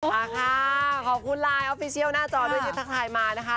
มาค่ะขอบคุณไลน์ออฟฟิเชียลหน้าจอด้วยที่ทักทายมานะคะ